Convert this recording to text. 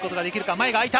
前があいた。